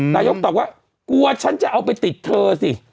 นายกตอบว่ากลัวฉันจะเอาไปติดเธอสิ